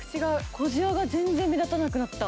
小じわが全然目立たなくなった。